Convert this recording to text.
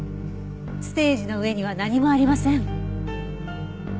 ステージの上には何もありません。